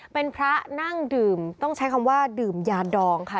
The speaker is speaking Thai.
เป็นพระนั่งดื่มต้องใช้คำว่าดื่มยาดองค่ะ